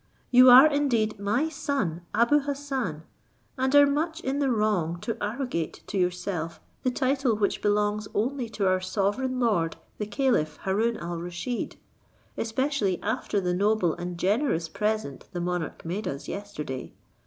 You are indeed my son Abou Hassan, and are much in the wrong to arrogate to yourself the title which belongs only to our sovereign lord the caliph Haroon al Rusheed, especially after the noble and generous present the monarch made us yesterday.